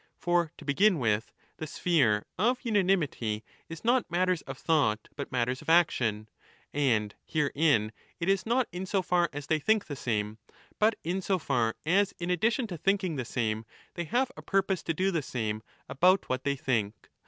For to begin with, the sphere of unanimity is not matters of thought but matters of action, and herein it is not in so far 20 as they think the same, but in so far as in addition to thinking the same they have a purpose to do the same about what they think.